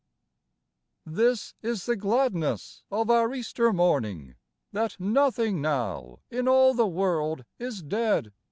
THIS is the gladness of our Easter morn ing;— That nothing now in all the world is dead.